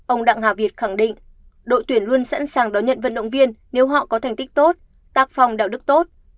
ông đặng hà việt khẳng định đội tuyển luôn sẵn sàng đón nhận vận động viên nếu họ có thành tích tốt tác phong đạo đức tốt